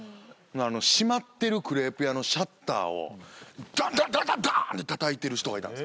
閉まってるクレープ屋のシャッターをドンドンドンドンドン！ってたたいてる人がいたんですよ。